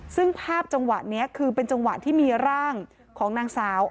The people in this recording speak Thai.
ซึ่งภาพจังหวะนี้คือเป็นจังหวะที่มีร่างของนางสาว